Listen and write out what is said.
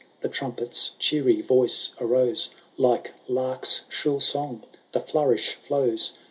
The trumpet's cheery voice arose. Like Lirk*8 shrill song the flourish flows.